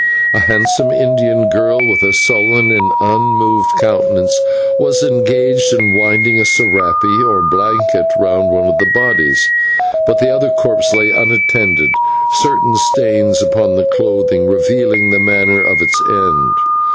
A handsome Indian girl, with a sullen and unmoved countenance, was engaged in winding a /serape/, or blanket, round one of the bodies; but the other lay untended, certain stains upon the clothing revealing the manner of its end.